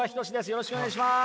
よろしくお願いします。